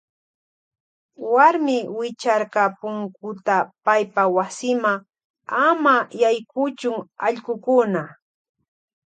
Wuarmi wicharka punkuta paypa wasima ama yaykuchun allkukuna.